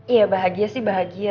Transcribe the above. iya bahagia sih bahagia